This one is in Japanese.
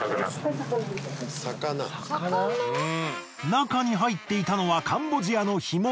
中に入っていたのはカンボジアの干物。